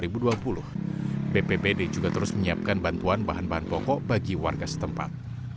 bppd juga terus menyiapkan bantuan bahan bahan pokok bagi warga setempat